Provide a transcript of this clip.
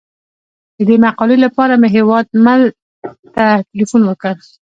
د دې مقالې لپاره مې هیوادمل ته تیلفون وکړ.